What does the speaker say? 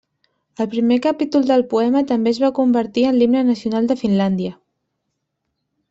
El primer capítol del poema també es va convertir en l'himne nacional de Finlàndia.